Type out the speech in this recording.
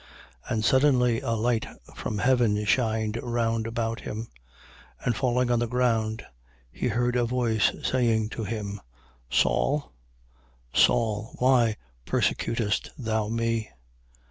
And suddenly a light from heaven shined round about him. 9:4. And falling on the ground, he heard a voice saying to him: Saul, Saul, why persecutest thou me?